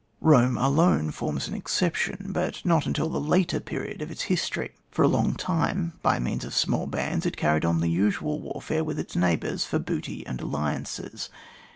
Home alone forms an exception, but not until the later period of its history. For a long time, by means of small bands, it carried on the usual warfare with its neighbours for booty and alliances.